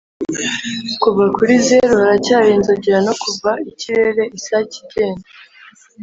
kuva kuri zeru, haracyari inzogera; no kuva ikirere-isake igenda